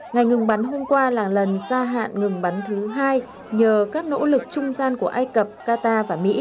ngày ngừng bắn hôm qua là lần gia hạn ngừng bắn thứ hai nhờ các nỗ lực trung gian của ai cập qatar và mỹ